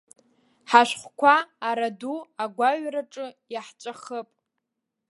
Ҳашәҟәқәа араду агәаҩараҿы иаҳҵәахып.